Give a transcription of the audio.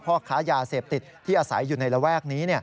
พ่อค้ายาเสพติดที่อาศัยอยู่ในระแวกนี้